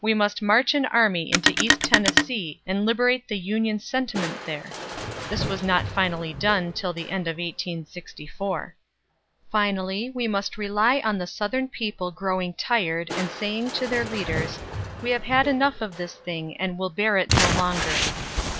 We must march an army into East Tennessee and liberate the Union sentiment there. (This was not finally done till the end of 1864.) "'Finally, we must rely on the (Southern) people growing tired, and saying to their leaders: "We have had enough of this thing, and will bear it no longer."'"